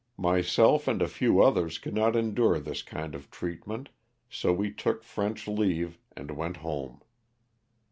Myself and a few others could not endure this kind of treatment, so we took French leave and went home.